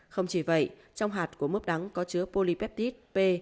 không chỉ vậy trong hạt của mướp đắng có chứa polypeptide p